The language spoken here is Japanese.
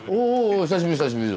お久しぶり久しぶり。